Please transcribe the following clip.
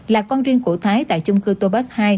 là con riêng của thái tại chung cư tô bắc